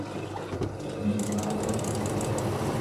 Vindo vahoa